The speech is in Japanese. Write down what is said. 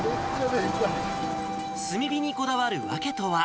炭火にこだわる訳とは。